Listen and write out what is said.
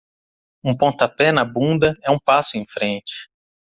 Um pontapé na bunda é um passo em frente.